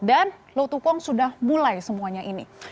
dan lou tukwong sudah mulai semuanya ini